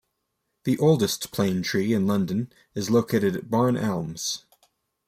The oldest plane tree in London is located at Barn Elms.